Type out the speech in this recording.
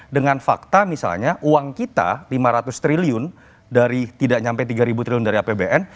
dengan fakta misalnya uang kita lima ratus triliun dari tidak sampai tiga triliun dari apbn